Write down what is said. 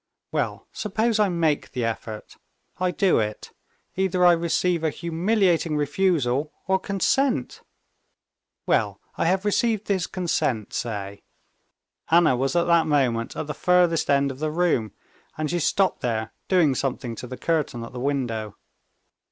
Well, suppose I make the effort; I do it. Either I receive a humiliating refusal or consent.... Well, I have received his consent, say...." Anna was at that moment at the furthest end of the room, and she stopped there, doing something to the curtain at the window.